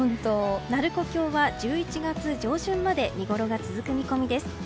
鳴子峡は１１月上旬まで見ごろが続く見込みです。